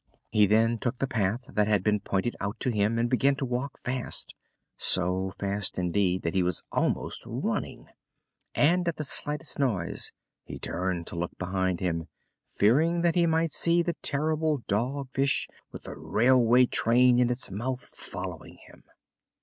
He then took the path that had been pointed out to him and began to walk fast so fast, indeed, that he was almost running. And at the slightest noise he turned to look behind him, fearing that he might see the terrible Dog Fish with a railway train in its mouth following him.